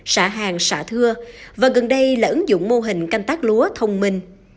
xã hàng xạ thưa và gần đây là ứng dụng mô hình canh tác lúa thông minh